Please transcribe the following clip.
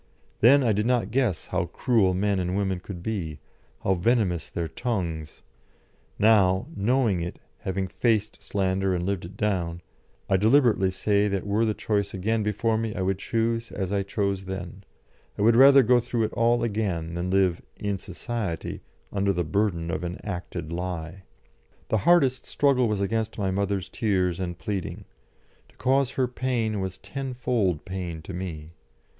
Then I did not guess how cruel men and women could be, how venomous their tongues; now, knowing it, having faced slander and lived it down, I deliberately say that were the choice again before me I would choose as I chose then; I would rather go through it all again than live "in Society" under the burden of an acted lie. The hardest struggle was against my mother's tears and pleading; to cause her pain was tenfold pain to me.